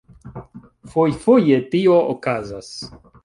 Fojfoje tio okazas.